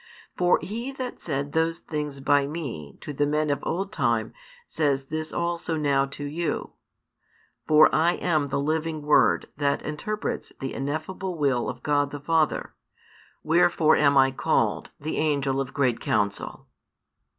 For He That said those things by Me to the men of old time says this also now to you: for I am the living Word That interprets the ineffable Will of God the Father, wherefore am I called the Angel of great counsel.